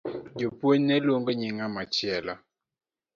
Japuonj no luongo nying ngama chielo.